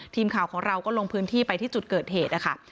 ทีมข่าวของเราก็ลงพื้นที่ไปที่จุดเกิดเหตุนะคะ